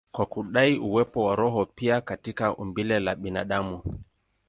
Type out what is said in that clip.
kwa kudai uwepo wa roho pia katika umbile la binadamu.